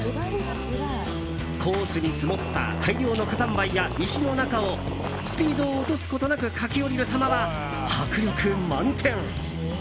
コースに積もった大量の火山灰や石の中をスピードを落とすことなく駆け下りる様は迫力満点。